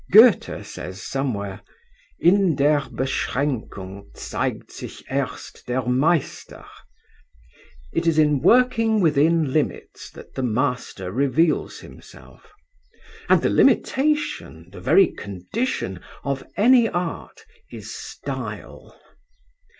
Goethe says, somewhere— In der Beschränkung zeigt Fsich erst der Meister, "It is in working within limits that the master reveals himself," and the limitation, the very condition of any art is style.